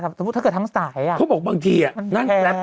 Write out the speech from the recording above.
ถ้าเกิดทั้งสายเนี่ยเขาบอกบางทีนั่น